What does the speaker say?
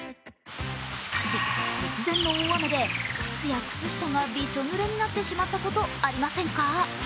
しかし突然の大雨で靴や靴下がびしょぬれになってしまったことありませんか？